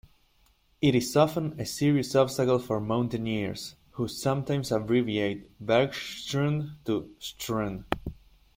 It is often a serious obstacle for mountaineers, who sometimes abbreviate "bergschrund" to "schrund".